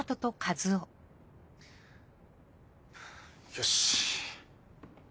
よし。